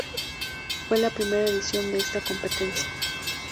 Fue la primera edición de esta competencia.